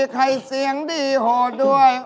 ให้เสียงดีห่อด้วย